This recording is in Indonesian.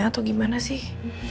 atau gimana sih